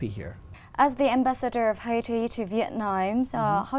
mà bạn sẽ nhớ nhất khi ở việt nam không